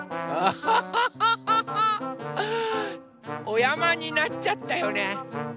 おやまになっちゃったよね。